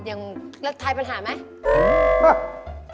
ยังเลือกถ่ายปัญหาไหม